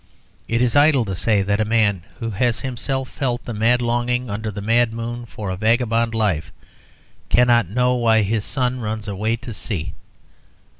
It is idle to say that a man who has himself felt the mad longing under the mad moon for a vagabond life cannot know why his son runs away to sea.